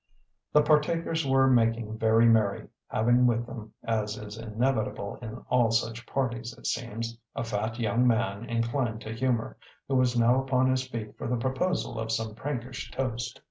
The partakers were making very merry, having with them (as is inevitable in all such parties, it seems) a fat young man inclined to humour, who was now upon his feet for the proposal of some prankish toast.